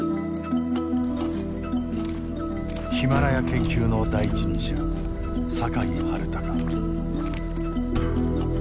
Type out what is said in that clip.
ヒマラヤ研究の第一人者酒井治孝。